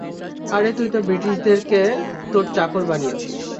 আরে তুই তো ব্রিটিশদের কে, তোর চাকর বানিয়েছিস।